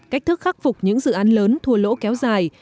cách thức khắc phục những dự án lớn thua lỗ kéo dài